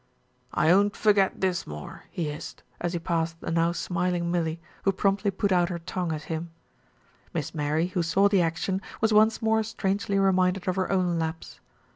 "I 'ont forget this, mor," he hissed, as he passed the now smiling Millie, who promptly put out her tongue at him. Miss Mary, who saw the action, was once more strangely reminded of her own lapse.